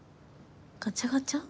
ガチャガチャ？